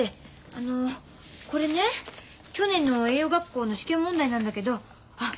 あのこれね去年の栄養学校の試験問題なんだけどあっ